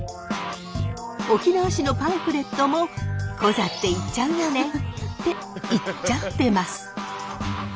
沖縄市のパンフレットも「『コザ』って言っちゃうよね！」って言っちゃってます。